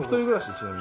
ちなみに。